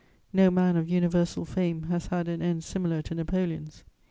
No man of universal fame has had an end similar to Napoleon's.